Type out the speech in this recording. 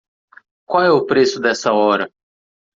Qual é o preço dessa hora?